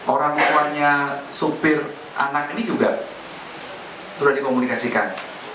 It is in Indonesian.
orang tuanya supir anak ini juga sudah dikomunikasikan